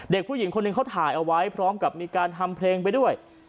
เด็กผู้หญิงคนหนึ่งเขาถ่ายเอาไว้พร้อมกับมีการทำเพลงไปด้วย